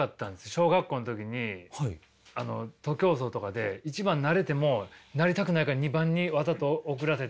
小学校の時に徒競走とかで一番になれてもなりたくないから二番にわざと遅らせて。